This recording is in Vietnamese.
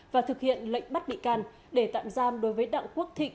và thực hiện lệnh bắt bị can để tạm giam đối với đặng quốc thịnh